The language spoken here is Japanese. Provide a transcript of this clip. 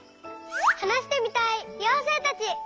はなしてみたいようせいたち！